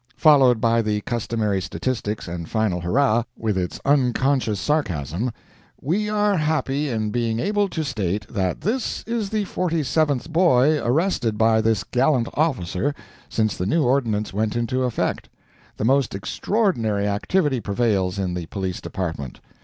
followed by the customary statistics and final hurrah, with its unconscious sarcasm: "We are happy in being able to state that this is the forty seventh boy arrested by this gallant officer since the new ordinance went into effect. The most extraordinary activity prevails in the police department.